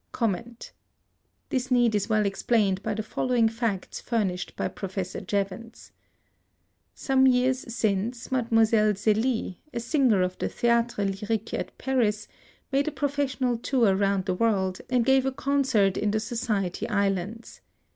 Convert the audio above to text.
This need is well explained by the following facts furnished by Professor Jevons: "Some years since, Mademoiselle Zélie, a singer of the Théâtre Lyrique at Paris, made a professional tour round the world, and gave a concert in the Society Islands.